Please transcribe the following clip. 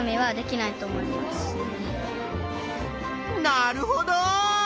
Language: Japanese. なるほど！